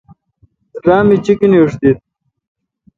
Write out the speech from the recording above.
را می چیکینیش دیت۔